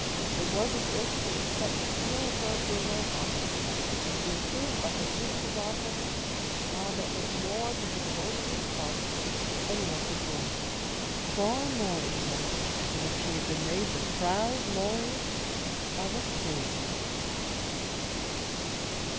It was as if she had set the seal of her approval upon her, and to be approved by her beautiful godmother, ah, that meant more to the devoted little heart than any one could dream; far more, even, than if she had been made the proud laureate of a queen.